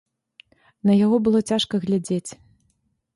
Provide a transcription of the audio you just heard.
На яго было цяжка глядзець.